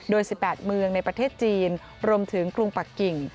โดย๑๘เมืองในประเทศจีนรวมถึงกรุงปักกิ่ง